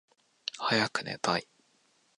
はやくねたい